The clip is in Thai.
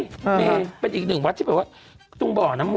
เมย์เป็นอีกหนึ่งวัดที่แบบว่าตรงบ่อน้ำมน